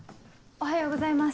おはようございます。